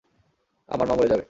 আমার মা মরে যাবে।